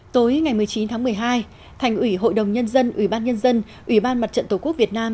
tối ngày một mươi chín tháng một mươi hai thành ủy hội đồng nhân dân ủy ban nhân dân ủy ban mặt trận tổ quốc việt nam